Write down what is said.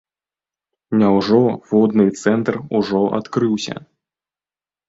Няўжо водны цэнтр ужо адкрыўся?